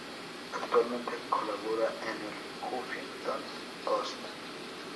Actualmente colabora en El Huffington Post.